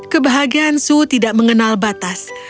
kebahagiaan su tidak mengenal batas